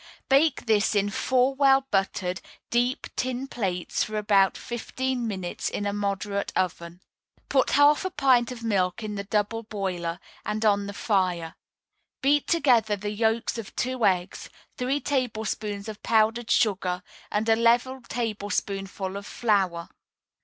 Bake this in four well buttered, deep, tin plates for about fifteen minutes in a moderate oven. Put half a pint of milk in the double boiler, and on the fire. Beat together the yolks of two eggs, three tablespoonfuls of powdered sugar, and a level tablespoonful of flour.